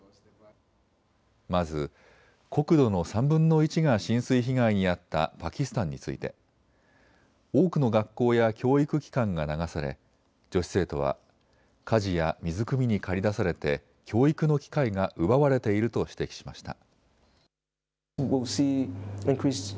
まず国土の３分の１が浸水被害に遭ったパキスタンについて多くの学校や教育機関が流され女子生徒は家事や水くみに駆り出されて教育の機会が奪われていると指摘しました。